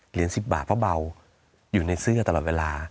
๑๐บาทเพราะเบาอยู่ในเสื้อตลอดเวลา